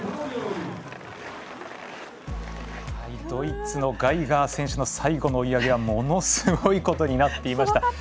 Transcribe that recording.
ドイツのガイガー選手の最後の追い上げはものすごいことになっていました。